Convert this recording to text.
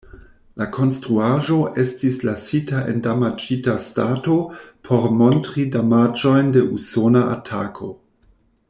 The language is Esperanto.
La konstruaĵo estis lasita en damaĝita stato, por montri damaĝojn de usona atako.